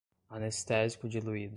anestésico diluído